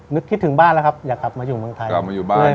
นึกคิดถึงบ้านแล้วครับอยากกลับมาอยู่บังไทยกลับมาอยู่บ้านดีกว่า